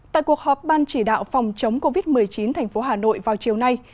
tại cuộc họp ban chỉ đạo phòng chống covid một mươi chín thành phố hà nội vào chiều nay